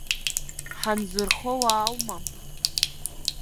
Ҳанзырхо уааума?